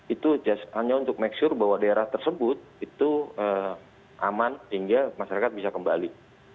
itu hanya untuk make sure bahwa daerah tersebut itu aman hingga masyarakat bisa kembali